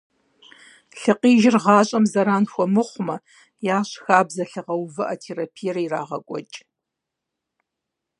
Лъыкъижыр гъащӏэм зэран хуэмыхъумэ, ящӏ хабзэ лъыгъэувыӏэ терапиер ирагъэкӏуэкӏ.